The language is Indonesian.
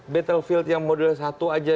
battlefield yang model satu aja